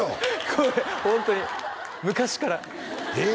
これホントに昔からえっ？